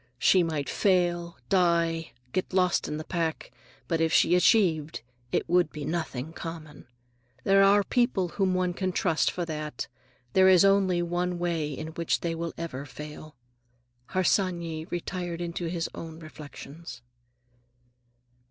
She might fail, die, get lost in the pack. But if she achieved, it would be nothing common. There are people whom one can trust for that. There is one way in which they will never fail." Harsanyi retired into his own reflections.